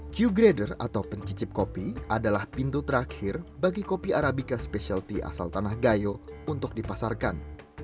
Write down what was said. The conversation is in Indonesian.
q grader atau pencicip kopi adalah pintu terakhir bagi kopi arabica specialty asal tanah gayo untuk dipasarkan